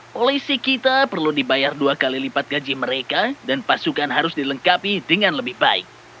polisi kita perlu dibayar dua kali lipat gaji mereka dan pasukan harus dilengkapi dengan lebih baik